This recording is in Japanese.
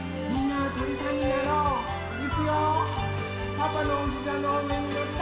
パパのおひざのうえにのった？